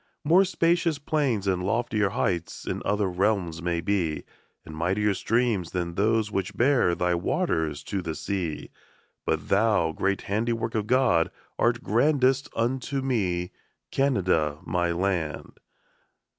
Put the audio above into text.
More spacious plains and loftier heights In other realms may be, And mightier streams than those which bear Thy waters to the sea; But thou, great handiwork of God, Art grandest unto me, Canada, my land.